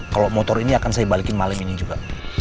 kalau motor ini akan saya balikin malam ini juga